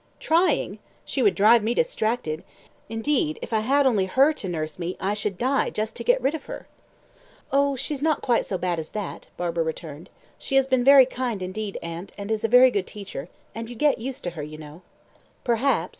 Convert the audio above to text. "Trying! She would drive me distracted. Indeed, if I had only her to nurse me I should die just to get rid of her!" "Oh, she's not quite so bad as that," Barbara returned. "She has been very kind indeed, aunt, and is a very good teacher; and you get used to her, you know." "Perhaps.